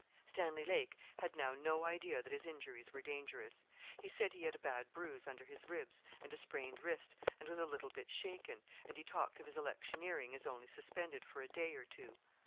Stanley Lake had now no idea that his injuries were dangerous. He said he had a bad bruise under his ribs, and a sprained wrist, and was a little bit shaken; and he talked of his electioneering as only suspended for a day or two.